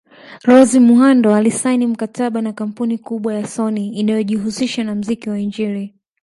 Rose Muhando alisaini mkataba na kampuni kubwa ya sony inayojihusisha na mziki wa injili